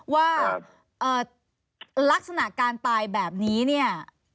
ว่าลักษณะการตายแบบนี้เนี่ย